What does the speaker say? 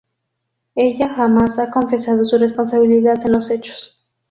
Ella jamás ha confesado su responsabilidad en los hechos.